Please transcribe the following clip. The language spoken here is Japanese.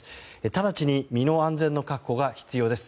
直ちに身の安全の確保が必要です。